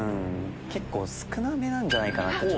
結構少なめなんじゃないかなって。